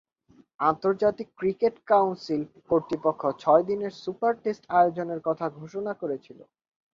আন্তর্জাতিক cricket council কর্তৃপক্ষ ছয়-দিনের সুপার টেস্ট আয়োজনের কথা ঘোষণা করেছিল।